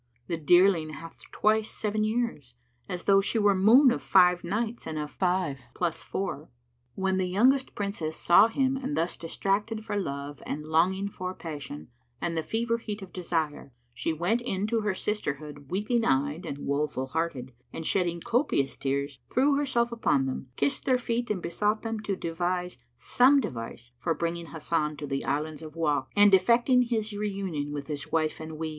The dearling hath twice seven years, as though * She were moon of five nights and of five plus four."[FN#106] When the youngest Princess saw him thus distracted for love and longing for passion and the fever heat of desire, she went in to her sisterhood weeping eyed and woeful hearted, and shedding copious tears threw herself upon them, kissed their feet and besought them to devise some device for bringing Hasan to the Islands of Wak and effecting his reunion with his wife and wees.